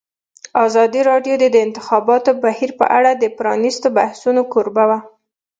ازادي راډیو د د انتخاباتو بهیر په اړه د پرانیستو بحثونو کوربه وه.